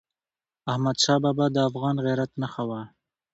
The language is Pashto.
احمدشاه بابا د افغان غیرت نښه وه.